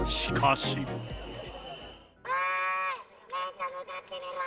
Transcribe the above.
おーい！